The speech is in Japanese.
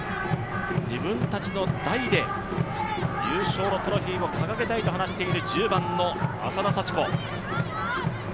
自分たちの代で優勝のトロフィーを掲げたいと話している１０番の浅田幸子。